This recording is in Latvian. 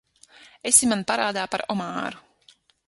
Esi man parādā par omāru.